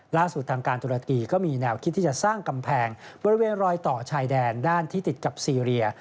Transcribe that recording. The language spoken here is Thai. ล่าสุดทางการตุรกีก็มีแนวคิดที่จะสร้างกำแพงบริเวณรอยต่อชายแดนด้านที่ติดกับซีเรีย